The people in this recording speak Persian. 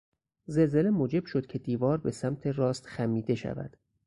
زلزله موجب شد که دیوار به سمت راست خمیده شود.